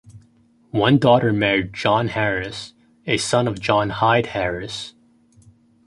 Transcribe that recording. One daughter married John Harris, a son of John Hyde Harris.